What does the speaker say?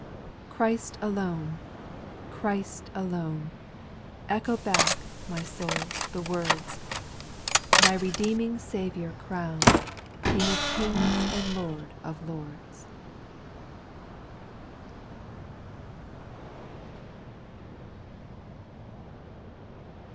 6. Christ alone — Christ alone— Echo back, my soul, the words ; SPIRITUAL SONGS. 421 Thy redeeming Saviour crown — King of kings and Lord of lords.